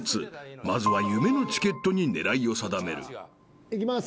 ［まずは夢のチケットに狙いを定める］いきます。